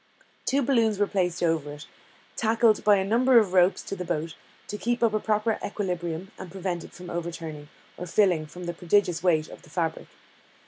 Two balloons were placed over it, tackled by a number of ropes to the boat, to keep up a proper equilibrium, and prevent it from overturning, or filling, from the prodigious weight of the fabric.